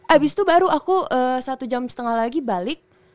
abis itu baru aku satu jam setengah lagi balik